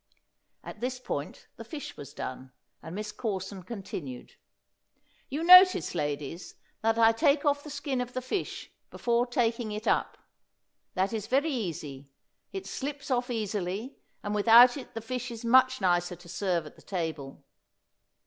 (At this point the fish was done, and Miss Corson continued.) You notice, ladies, that I take off the skin of the fish before taking it up. That is very easy; it slips off easily, and without it the fish is much nicer to serve at the table.